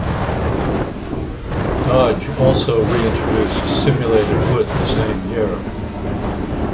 Dodge also reintroduced simulated wood the same year.